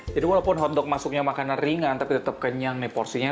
jadi walaupun hotdog masuknya makanan ringan tapi tetap kenyang nih porsinya